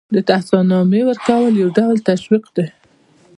د تحسین نامې ورکول یو ډول تشویق دی.